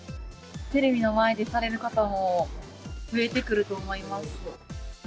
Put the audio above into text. テレビの前でされる方も増えてくると思います。